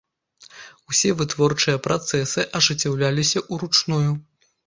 Усе вытворчыя працэсы ажыццяўляліся ўручную.